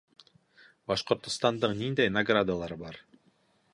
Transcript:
Башҡортостандың ниндәй наградалары бар?